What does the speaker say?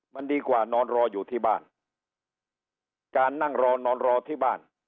มันดีกว่านอนรออยู่ที่บ้านการนั่งรอนอนรอที่บ้าน